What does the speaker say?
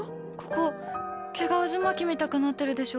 毛が渦巻きみたいになっているでしょ。